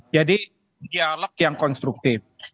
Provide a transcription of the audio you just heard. jadi dialog yang konstruktif